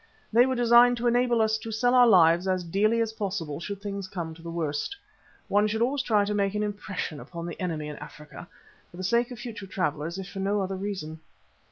They were designed to enable us to sell our lives as dearly as possible, should things come to the worst. One should always try to make an impression upon the enemy in Africa, for the sake of future travellers if for no other reason.